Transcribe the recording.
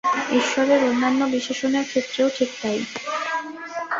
ঈশ্বরের অন্যান্য বিশেষণের ক্ষেত্রেও ঠিক তাই।